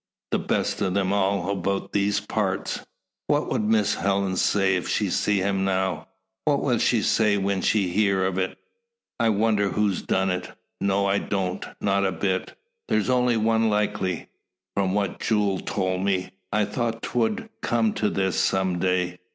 The best of them all about these parts. What would Miss Helen say if she see him now? What will she say when she hear o' it? I wonder who's done it? No, I don't not a bit. There's only one likely. From what Jule told me, I thought 't would come to this, some day.